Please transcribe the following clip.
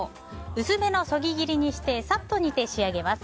薄めのそぎ切りにしてサッと煮て仕上げます。